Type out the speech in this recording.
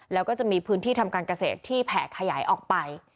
แล้วก็จะมีพื้นที่ทำการเกษตรที่แผ่ขยายออกไป